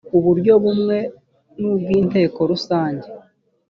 ku buryo bumwe n ubw inteko rusange